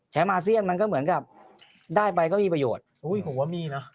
แชมป์อาเซียนมันก็เหมือนกับได้ไปก็มีประโยชน์